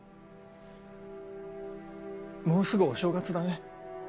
もうすぐお正月だね。